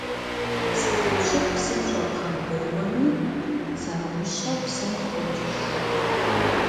Псыкъэпщыр псым щӀэбгъэмбрыуэми, зэрыгъущэу псым къыхокӀыж.